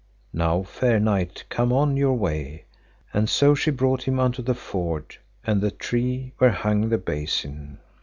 Now, fair knight, come on your way; and so she brought him unto the ford and the tree where hung the basin.